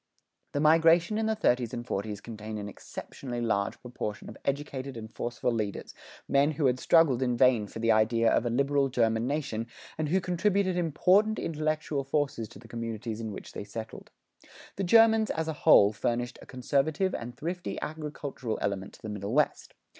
The migration in the thirties and forties contained an exceptionally large proportion of educated and forceful leaders, men who had struggled in vain for the ideal of a liberal German nation, and who contributed important intellectual forces to the communities in which they settled. The Germans, as a whole, furnished a conservative and thrifty agricultural element to the Middle West.